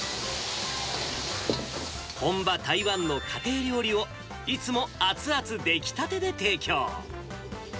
本場台湾の家庭料理を、いつも熱々出来たてで提供。